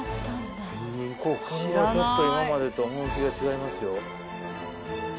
ちょっと今までと趣が違いますよ。